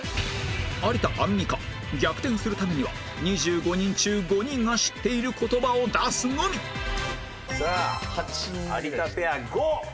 有田・アンミカ逆転するためには２５人中５人が知っている言葉を出すのみさあ有田ペア５。